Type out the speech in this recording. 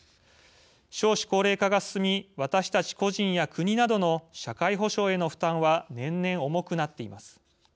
少子高齢化が進み私たち個人や国などの社会保障への負担は年々、重くなっています。